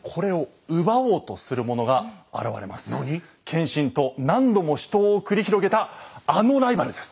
謙信と何度も死闘を繰り広げたあのライバルです。